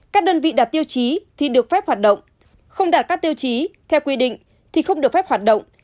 các đơn vị đạt tiêu chí thì được phép hoạt động không đạt các tiêu chí theo quy định thì không được phép hoạt động